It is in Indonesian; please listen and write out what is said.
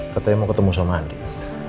katanya mau ketemu sama andi